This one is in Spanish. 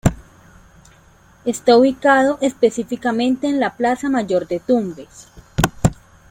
Está ubicado específicamente en la plaza mayor de Tumbes.